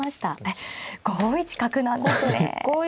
えっ５一角なんですね。